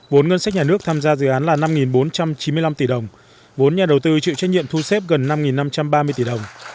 vốn ngân sách nhà nước tham gia dự án là năm bốn trăm chín mươi năm tỷ đồng vốn nhà đầu tư chịu trách nhiệm thu xếp gần năm năm trăm ba mươi tỷ đồng